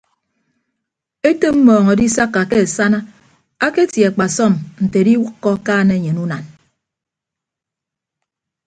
Etop mmọọñ adisakka ke asana aketie akpasọm nte ediwʌkkọ akaan enyen unan.